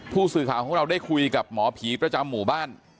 ผู้สื่อข่าวของเราได้คุยกับหมอผีประจำหมู่บ้าน